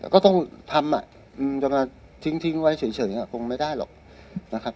ก็ต้องทำจะมาทิ้งไว้เฉยคงไม่ได้หรอกนะครับ